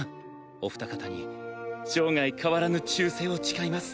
お二方に生涯変わらぬ忠誠を誓います。